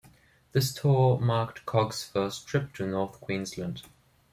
This tour marked Cog's first trip to North Queensland.